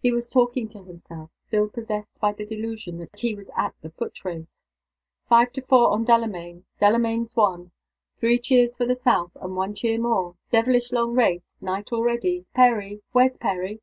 He was talking to himself, still possessed by the delusion that he was at the foot race. "Five to four on Delamayn. Delamayn's won. Three cheers for the South, and one cheer more. Devilish long race. Night already! Perry! where's Perry?"